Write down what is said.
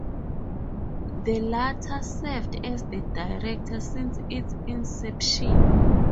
The latter served as the director since its inception.